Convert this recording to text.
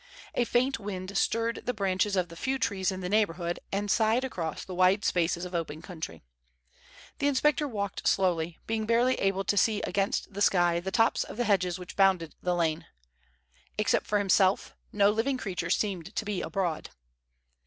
A faint wind stirred the branches of the few trees in the neighborhood and sighed across the wide spaces of open country. The inspector walked slowly, being barely able to see against the sky the tops of the hedges which bounded the lane. Except for himself no living creature seemed to be abroad.